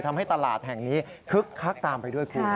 ทำให้ตลาดแห่งนี้คึกคักตามไปด้วยคุณ